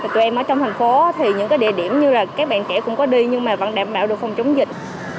tụi em ở trong thành phố thì những địa điểm như các bạn trẻ cũng có đi nhưng vẫn đảm bảo được không chống dịch